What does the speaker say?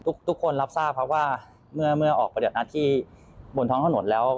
ทุกคนรับทราบครับว่าเมื่อออกปฏิบัติหน้าที่บนท้องถนนแล้ว